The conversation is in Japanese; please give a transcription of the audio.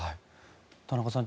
田中さん